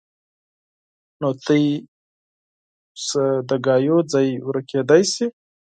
نو تاسې څخه د خبرو ځای ورکېدای شي